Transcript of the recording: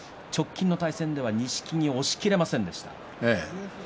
直近の対戦では錦木を押しきれませんでした。